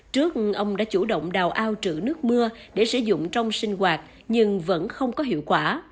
trước ông đã chủ động đào ao trữ nước mưa để sử dụng trong sinh hoạt nhưng vẫn không có hiệu quả